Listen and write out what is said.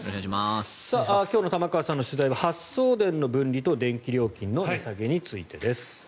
今日の玉川さんの取材は発送電の分離と電気料金の値下げについてです。